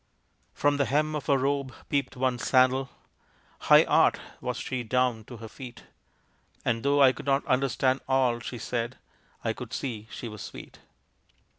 From the hem of her robe peeped one sandal "High art" was she down to her feet; And though I could not understand all She said, I could see she was sweet.